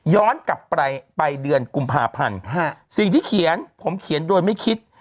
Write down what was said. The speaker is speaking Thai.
ย้อนกลับไปไปเดือนกุมภาพันธ์สิ่งที่เขียนผมเขียนโดยไม่คิด